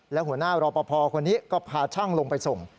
และหัวหน้ารอปภคนนี้ก็พาช่างลงไปส่ง